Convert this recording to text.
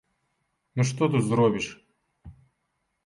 Ну што тут зробіш?